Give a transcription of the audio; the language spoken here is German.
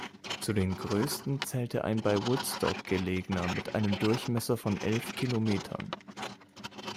Zu den größten zählte ein bei Woodstock gelegener mit einem Durchmesser von elf Kilometern.